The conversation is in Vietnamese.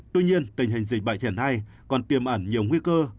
tuy nhiên tình hình dịch bệnh hiện nay còn tiêm ẩn nhiều nguy cơ